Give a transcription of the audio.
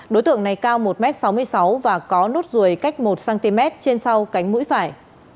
đối tượng này cao một m sáu mươi sáu và có nốt ruồi cách một cm trên sau cánh mũi phải